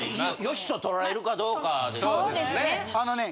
良しととらえるかどうかですけどね。